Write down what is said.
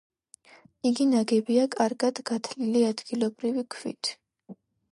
იგი ნაგებია კარგად გათლილი ადგილობრივი ქვით.